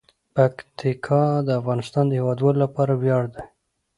پکتیکا د افغانستان د هیوادوالو لپاره ویاړ دی.